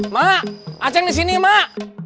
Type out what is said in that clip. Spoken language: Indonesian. mak aceh di sini mak